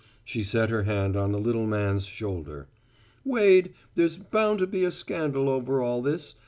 She set her hand on the little man's shoulder. "Wade, there's bound to be a scandal over all this.